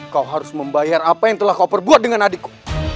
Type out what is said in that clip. kau harus membayar apa yang telah kau perbuat dengan adikku